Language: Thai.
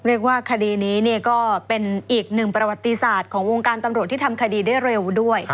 เรียกว่าคดีนี้ก็เป็นอีกหนึ่งประวัติศาสตร์ของวงการตำรวจที่ทำคดีได้เร็วด้วย